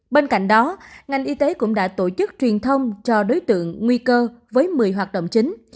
bên cạnh đó ngành y tế cũng đã tổ chức truyền thông cho đối tượng nguy cơ với một mươi hoạt động chính